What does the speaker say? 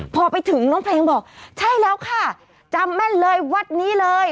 พอไปถึงน้องเพลงบอกใช่แล้วค่ะจำแม่นเลยวัดนี้เลย